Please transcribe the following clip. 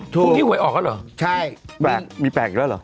พรุ่งนี้หวยออกแล้วเหรอใช่แปลกมีแปลกอีกแล้วเหรอ